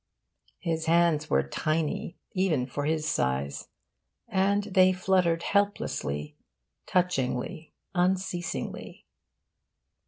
His hands were tiny, even for his size, and they fluttered helplessly, touchingly, unceasingly.